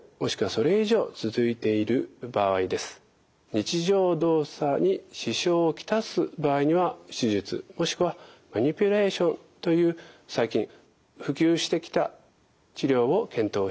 日常動作に支障を来す場合には手術もしくはマニピュレーションという最近普及してきた治療を検討します。